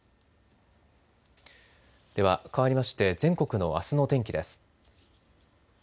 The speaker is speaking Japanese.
では、変わりまして全国のあすの天気です。